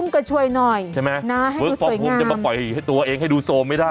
กระชวยหน่อยใช่ไหมนะให้ดูสวยงามจะปล่อยให้ตัวเองให้ดูโซมไม่ได้